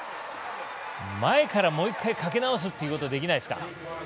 前から、もう１回かけ直すことはできないですか？